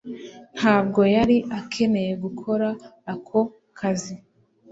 Ntabwo yari akeneye gukora ako kazi